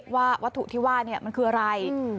วัตถุที่ว่ามันคืออะไร